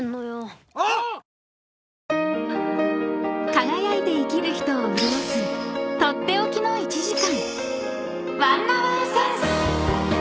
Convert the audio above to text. ［輝いて生きる人を潤す取って置きの１時間］